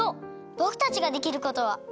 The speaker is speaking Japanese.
ぼくたちができることは。